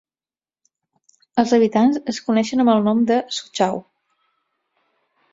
Els habitants es coneixen amb el nom de "sochaux".